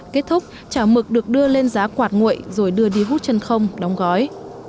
kết thúc chả mực được đưa lên giá quạt nguội rồi đưa đi hút chân không đóng gói